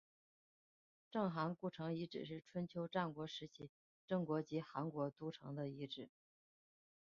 郑韩故城遗址是春秋战国时期郑国及韩国都城的遗址。